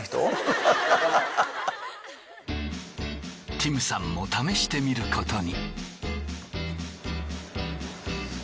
ティムさんも試してみることに。